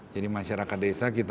jadi masyarakat desa